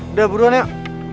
udah buruan yuk